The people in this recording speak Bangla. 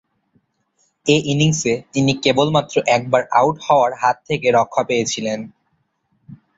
এ ইনিংসে তিনি কেবলমাত্র একবার আউট হওয়ার হাত থেকে রক্ষা পেয়েছিলেন।